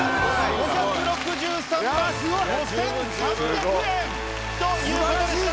５６３万５３００円！というわけでした！